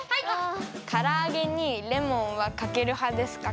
からあげにレモンはかける派ですか？